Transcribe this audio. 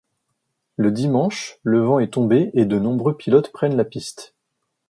Le dimanche, le vent est tombé et de nombreux pilotes prennent la piste.